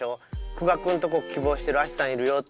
久我君とこ希望してるアシさんいるよって。